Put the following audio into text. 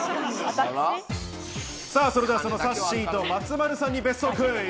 それでは、そのさっしーと松丸さんに別荘クイズ。